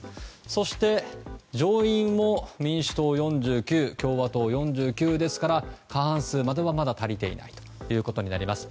そして上院も民主党４９、共和党４９ですから過半数までは足りていないことになります。